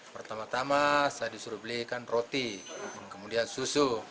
pertama tama saya disuruh belikan roti kemudian susu